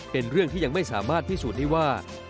เป็นเรื่องที่ยังไม่สามารถพิสูจน์ได้ว่า